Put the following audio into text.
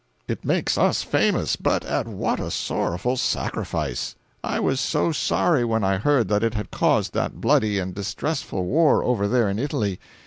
It makes us famous, but at what a sorrowful sacrifice! I was so sorry when I heard that it had caused that bloody and distressful war over there in Italy.